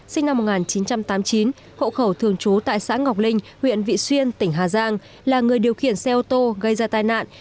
sinh năm một nghìn chín trăm tám mươi chín hộ khẩu thường trú tại xã ngọc linh huyện vị xuyên tỉnh hà giang là người điều khiển xe ô tô gây ra tai nạn